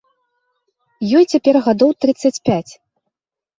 Ёй цяпер гадоў трыццаць пяць.